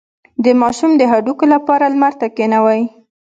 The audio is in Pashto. د ماشوم د هډوکو لپاره لمر ته کینوئ